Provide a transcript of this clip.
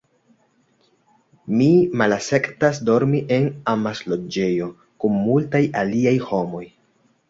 Mi malakceptas dormi en amasloĝejo kun multaj aliaj homoj.